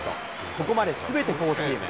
ここまですべてフォーシーム。